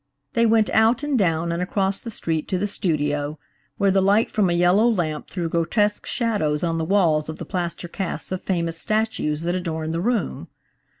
They went out and down and across the street to the studio, where the light from a yellow lamp threw grotesque shadows on the walls of the plaster casts of famous statues that adorned the room.